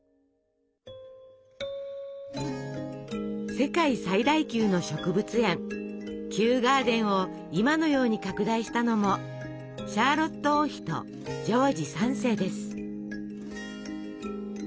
世界最大級の植物園「キューガーデン」を今のように拡大したのもシャーロット王妃とジョージ３世です。